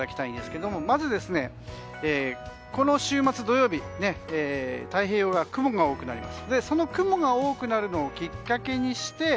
まず、この週末の土曜日太平洋側、雲が多くなります。